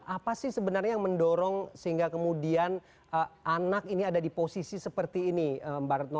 apa sih sebenarnya yang mendorong sehingga kemudian anak ini ada di posisi seperti ini mbak retno